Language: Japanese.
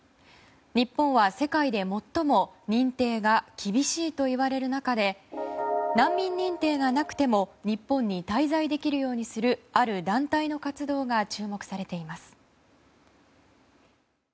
日本は世界で最も認定が厳しいといわれる中で難民認定がなくても日本に滞在できるようにするある団体の活動が注目されています。